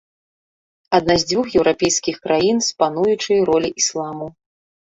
Адна з дзвюх еўрапейскіх краін з пануючай роляй ісламу.